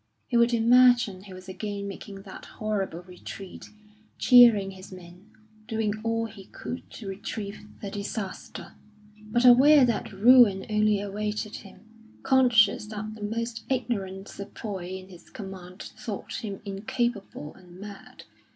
He would imagine he was again making that horrible retreat, cheering his men, doing all he could to retrieve the disaster; but aware that ruin only awaited him, conscious that the most ignorant sepoy in his command thought him incapable and mad.